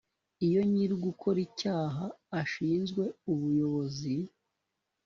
iyo nyir ugukora icyaha ashinzwe ubuyobozi